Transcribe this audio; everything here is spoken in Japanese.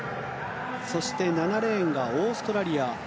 そして７レーンがオーストラリア